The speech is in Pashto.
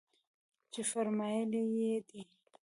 چې فرمايلي يې دي.